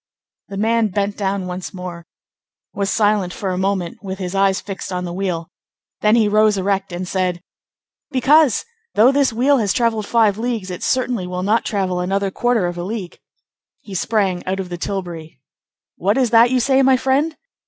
'" The man bent down once more, was silent for a moment, with his eyes fixed on the wheel; then he rose erect and said:— "Because, though this wheel has travelled five leagues, it certainly will not travel another quarter of a league." He sprang out of the tilbury. "What is that you say, my friend?"